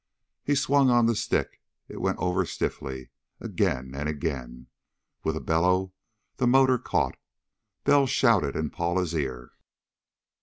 He swung on the stick. It went over stiffly. Again, and again. With a bellow, the motor caught. Bell shouted in Paula's ear.